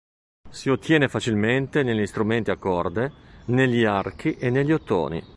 Si ottiene facilmente negli strumenti a corde, negli archi e negli ottoni.